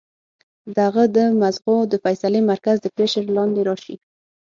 د هغه د مزغو د فېصلې مرکز د پرېشر لاندې راشي